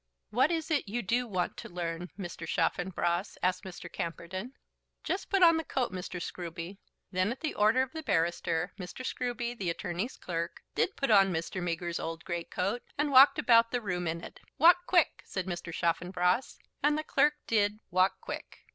"What is it you do want to learn, Mr. Chaffanbrass?" asked Mr. Camperdown. "Just put on the coat, Mr. Scruby." Then at the order of the barrister, Mr. Scruby, the attorney's clerk, did put on Mr. Meager's old great coat, and walked about the room in it. "Walk quick," said Mr. Chaffanbrass; and the clerk did "walk quick."